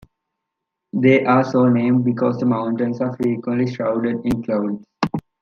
They are so named because the mountains are frequently shrouded in clouds.